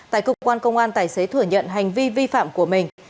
tại cơ quan công an tài xế thừa nhận hành vi vi phạm của mình